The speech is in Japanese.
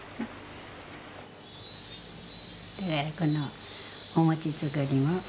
このお餅作りもそうね